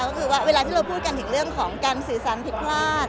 ก็คือว่าเวลาที่เราพูดกันถึงเรื่องของการสื่อสารผิดพลาด